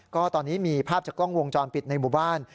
ก็ตอนนี้มีภาพจากกล้องวงจรปิดในหมู่บ้าน